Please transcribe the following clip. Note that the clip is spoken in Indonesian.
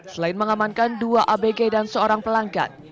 selain mengamankan dua abg dan seorang pelanggan